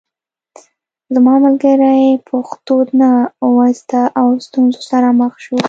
زما ملګري پښتو نه وه زده او ستونزو سره مخ شو